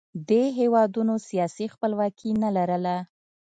دې هېوادونو سیاسي خپلواکي نه لرله